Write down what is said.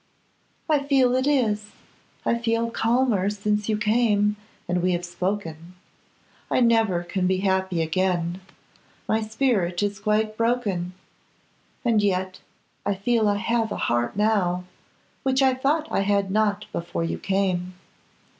'I feel it is; I feel calmer since you came and we have spoken. I never can be happy again; my spirit is quite broken. And yet, I feel I have a heart now, which I thought I had not before you came.